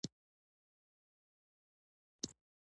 د حشمتي خور د مينې خور ته خپله کيسه پيل کړه.